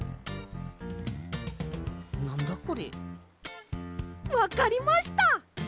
なんだこれ？わかりました！